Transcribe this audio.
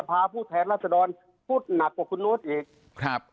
พูดหนักกว่าคุณโน๊ตเอกครับ